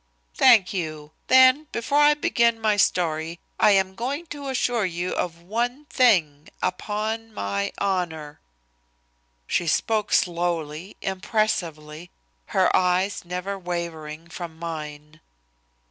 "Thank you. Then before I begin my story I am going to assure you of one thing, upon my honor." She spoke slowly, impressively, her eyes never wavering from mine.